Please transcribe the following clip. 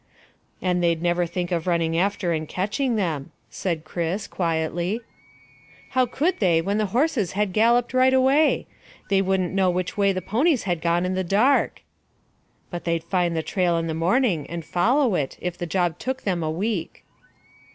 "And they'd never think of running after and catching them," said Chris quietly. "How could they when the horses had galloped right away? They wouldn't know which way the ponies had gone in the dark." "But they'd find the trail in the morning, and follow it, if the job took them a week."